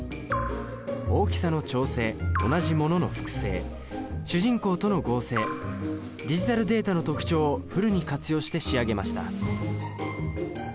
大きさの調整同じものの複製主人公との合成ディジタルデータの特徴をフルに活用して仕上げました。